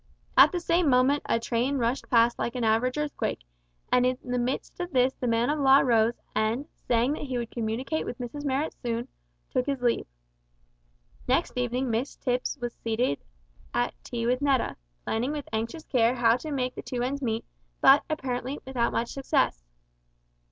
At the same moment a train rushed past like an average earthquake, and in the midst of this the man of law rose, and saying that he would communicate with Mrs Marrot soon, took his leave. Next evening Mrs Tipps was seated at tea with Netta, planning with anxious care how to make the two ends meet, but, apparently, without much success.